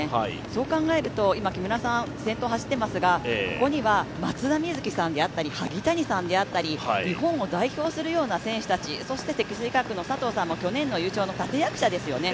そう考えると今、木村さん、先頭を走っていますが、ここには松田瑞生さんであったり、萩谷さんであったり、日本を代表するような選手たち積水化学の選手も、去年の優勝の立て役者ですよね。